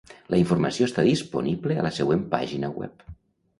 La informació està disponible a la següent pàgina web.